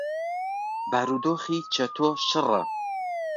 بارودۆخی چەتۆ شڕە.